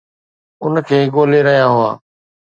ان کي ڳولي رهيا هئا